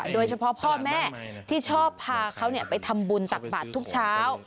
โดยเฉพาะพ่อแม่ที่ชอบพาเขาไปทำบุญตักบาททุกเช้า